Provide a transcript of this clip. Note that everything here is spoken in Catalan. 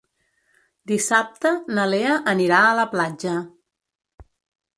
Dissabte na Lea anirà a la platja.